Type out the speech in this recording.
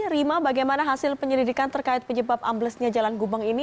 rima bagaimana hasil penyelidikan terkait penyebab amblesnya jalan gubeng ini